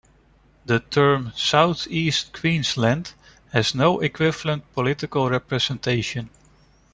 The term South East Queensland has no equivalent political representation.